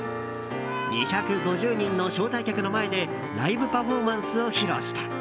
２５０人の招待客の前でライブパフォーマンスを披露した。